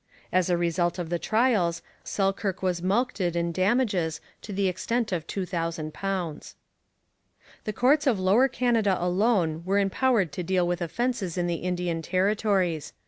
As a result of the trials Selkirk was mulcted in damages to the extent of £2000. The courts of Lower Canada alone were empowered to deal with offences in the Indian Territories.